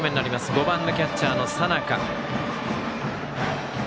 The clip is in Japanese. ５番のキャッチャーの佐仲。